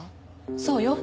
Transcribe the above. そうよ。